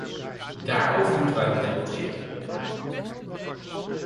Daarover moeten wij nog debatteren.